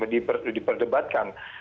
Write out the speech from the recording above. terus kita harus berdebatkan